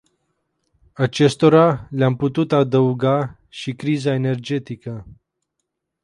Acestora, le-am putea adăuga și criza energetică.